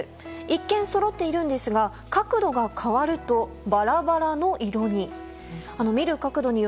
一見、そろっているんですが角度が変わると、ばらばらの色に。